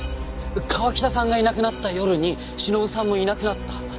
川喜多さんがいなくなった夜に忍さんもいなくなった。